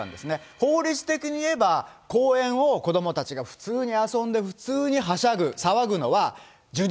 法律的に言えば、公園を子どもたちが普通に遊んで普通にはしゃぐ、騒ぐのは、受忍、